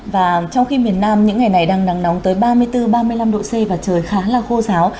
và trong khi miền nam những ngày này đang nắng nóng tới ba mươi bốn ba mươi năm độ c và trời khá là khô giáo